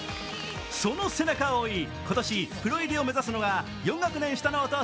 その背中を追い今年、プロ入りを目指すのは４学年下の弟